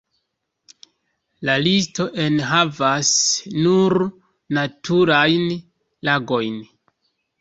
La listo enhavas nur naturajn lagojn.